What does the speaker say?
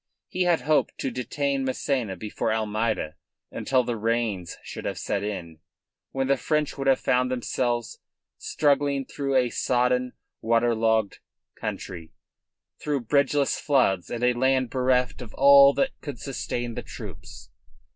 He had hoped to detain Massena before Almeida until the rains should have set in, when the French would have found themselves struggling through a sodden, water logged country, through bridgeless floods and a land bereft of all that could sustain the troops.